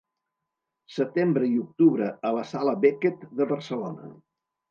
Setembre i octubre a la Sala Beckett de Barcelona.